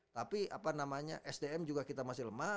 tapi sdm juga kita masih lemah